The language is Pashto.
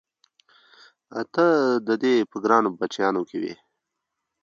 ته د دې په ګرانو بچیانو کې وې؟